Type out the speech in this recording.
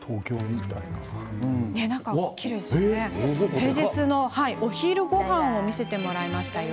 平日のお昼ごはんを見せてもらいました。